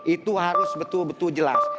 itu harus betul betul jelas